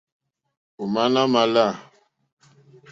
Ò má nà mà lá.